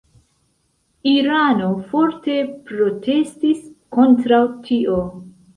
Irano forte protestis kontraŭ tio.